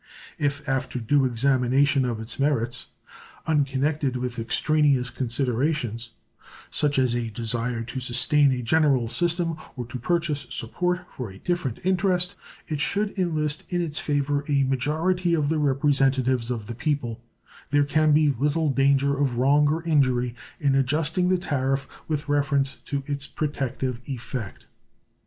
If after due examination of its merits, unconnected with extraneous considerations such as a desire to sustain a general system or to purchase support for a different interest it should enlist in its favor a majority of the representatives of the people, there can be little danger of wrong or injury in adjusting the tariff with reference to its protective effect.